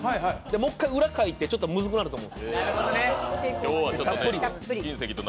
もう１回、裏かいてちょっとムズくなると思うんです。